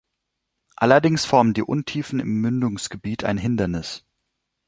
Allerdings formen die Untiefen im Mündungsgebiet ein Hindernis.